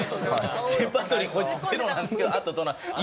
レパートリーこいつゼロなんですけどあと。